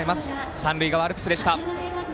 三塁側アルプスでした。